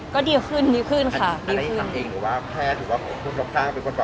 ก็ดีกว่าขึ้นดีกว่าขึ้นค่ะ